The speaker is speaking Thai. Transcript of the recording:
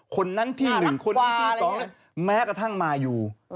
คนนั้นที่๑คนที่๒แม้กระทั่งมายู